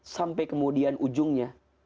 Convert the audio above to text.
sampai kemudian ujungnya